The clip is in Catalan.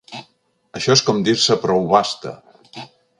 Això és com dir-se Proubasta!